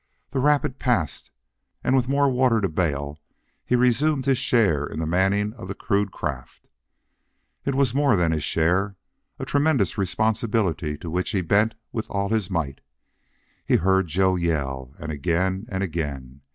That rapid passed and with more water to bail, he resumed his share in the manning of the crude craft. It was more than a share a tremendous responsibility to which he bent with all his might. He heard Joe yell and again and again.